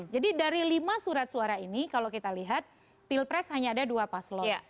jadi dari lima surat suara ini kalau kita lihat pilpres hanya ada dua paslon